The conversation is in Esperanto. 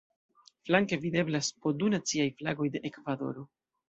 Flanke videblas po du naciaj flagoj de Ekvadoro.